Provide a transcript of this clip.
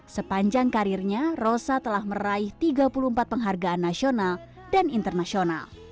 sepanjang karirnya rosa telah meraih tiga puluh empat penghargaan nasional dan internasional